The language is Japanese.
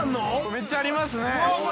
◆めっちゃありますね。